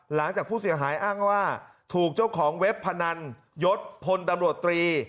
หลังจากผู้เสียหายอ้างว่าถูกเจ้าของเว็บพนันยศพลตำรวจตรี